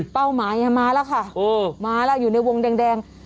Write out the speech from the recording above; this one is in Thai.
เป้าหมายมาแล้วค่ะมาแล้วอยู่ในวงแดง